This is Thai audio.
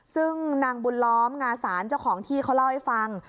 ซึ่งนางบุญล้อมงาสารเจ้าของที่เขาเล่าให้ฟัง